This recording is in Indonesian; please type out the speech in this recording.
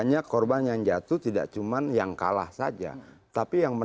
nanti kita akan soal ini